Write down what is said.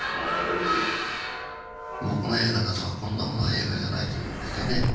僕の映画なぞはこんなもの映画じゃないと言われてね